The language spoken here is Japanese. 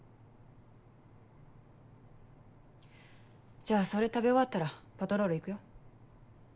じゃあそれ食べ終わったらパトロール行くよ。